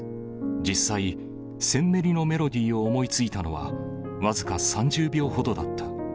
実際、戦メリのメロディを思いついたのは、僅か３０秒ほどだった。